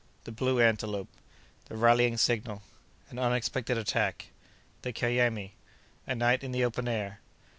—The Blue Antelope.—The Rallying Signal.—An Unexpected Attack.—The Kanyemé.—A Night in the Open Air.